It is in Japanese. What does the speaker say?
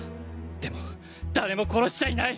でも誰も殺しちゃいない！